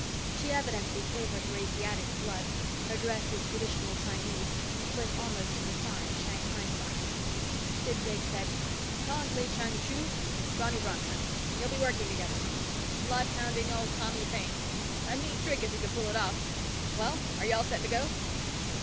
She evidently favored her Asiatic blood, her dress was traditional Chinese, slit almost to the thigh Shanghai style. Sid Jakes said, "Tog Lee Chang Chu—Ronny Bronston. You'll be working together. Bloodhounding old Tommy Paine. A neat trick if you can pull it off. Well, are you all set to go?"